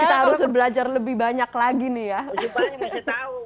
kita harus belajar lebih banyak lagi nih ya